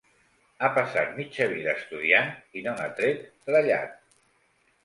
Ha passat mitja vida estudiant i no n'ha tret trellat.